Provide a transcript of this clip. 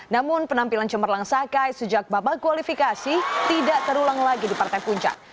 namun penampilan cemerlang sakai sejak babak kualifikasi tidak terulang lagi di partai puncak